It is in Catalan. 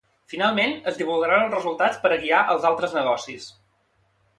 Finalment, es divulgaran els resultats per a guiar els altres negocis.